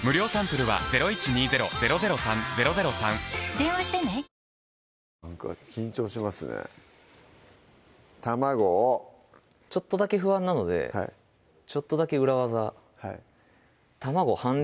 ではお願いしましょうなんか緊張しますね卵をちょっとだけ不安なのでちょっとだけ裏技はい卵半量